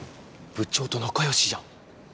部長と仲よしじゃん。